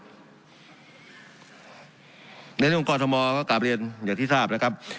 ในเรื่องกรทมก็กลับเรียนอย่างที่ทราบนะครับ